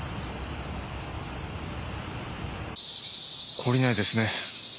懲りないですね。